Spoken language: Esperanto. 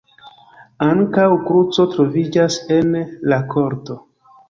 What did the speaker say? Ankaŭ kruco troviĝas en la korto.